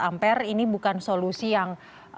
ampere ini bukan solusi yang